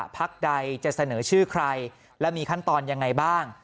พักใดจะเสนอชื่อใครและมีขั้นตอนยังไงบ้าง